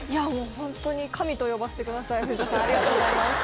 ホントに神と呼ばせてください藤田さんありがとうございます。